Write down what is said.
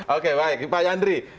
oke baik pak yandri